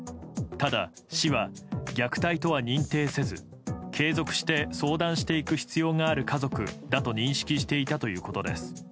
ただ、市は虐待とは認定せず継続して相談していく必要がある家族だと認識していたということです。